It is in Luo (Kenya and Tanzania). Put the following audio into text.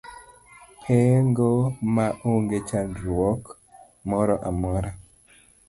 Pengo ma onge chandruok moro amora.